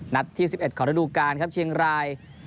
ที่๑๑ของระดูการครับเชียงราย